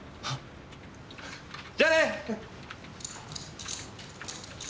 じゃあね！